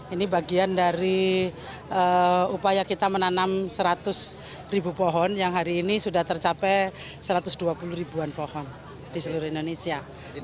ini bagian dari upaya kita menanam seratus ribu pohon yang hari ini sudah tercapai satu ratus dua puluh ribuan pohon di seluruh indonesia